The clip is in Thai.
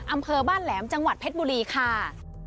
อำเภอบ้านแหลมจังหวัดเพชรบุรีค่ะ